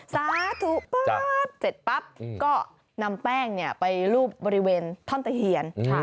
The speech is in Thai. สาธุป๊าบเสร็จปั๊บก็นำแป้งไปรูปบริเวณท่อนตะเคียน